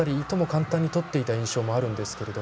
簡単にとっていた印象もあるんですが。